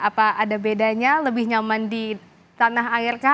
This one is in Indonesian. apa ada bedanya lebih nyaman di tanah air kah